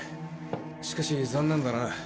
しかし残念だな。